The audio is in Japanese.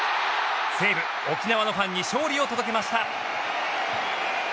西武、沖縄のファンに勝利を届けました。